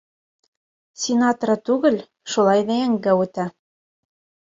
Синатра түгел, шулай ҙа йәнгә үтә.